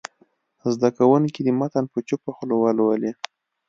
زده کوونکي دې متن په چوپه خوله ولولي.